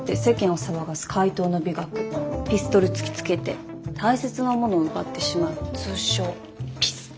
ピストル突きつけて大切なものを奪ってしまう通称ピス健。